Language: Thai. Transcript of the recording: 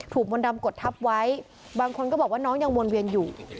มนต์ดำกดทับไว้บางคนก็บอกว่าน้องยังวนเวียนอยู่